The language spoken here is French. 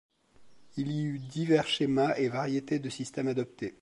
Il y eut divers schémas et variétés de systèmes adoptés.